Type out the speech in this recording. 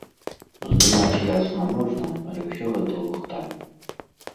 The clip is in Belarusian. Здымаць, ясна, можна, але ўсё гэта лухта.